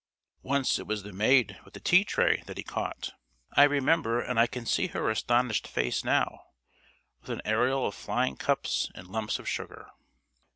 Once it was the maid with the tea tray that he caught, I remember; and I can see her astonished face now, with an aureole of flying cups and lumps of sugar.